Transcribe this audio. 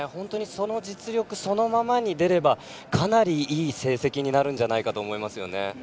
実力そのままに出ればかなりいい成績になるんじゃないかと思いますよね。